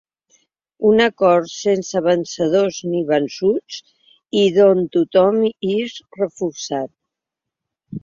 Un acord sense vencedors ni vençuts i d’on tothom ix reforçat.